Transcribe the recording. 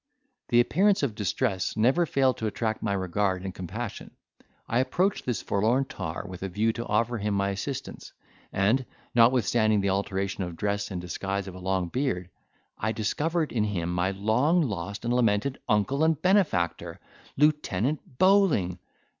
The appearance of distress never failed to attract my regard and compassion. I approached this forlorn tar with a view to offer him my assistance, and, notwithstanding the alteration of dress and disguise of a long beard, I discovered in him my long lost and lamented uncle and benefactor, Lieutenant Bowling!